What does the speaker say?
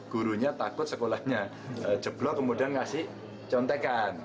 gurunya takut sekolahnya jeblok kemudian ngasih nyontekan